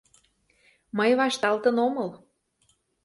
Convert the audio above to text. Мый вашталтын омыл.